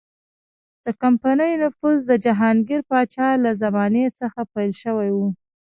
د کمپنۍ نفوذ د جهانګیر پاچا له زمانې څخه پیل شوی و.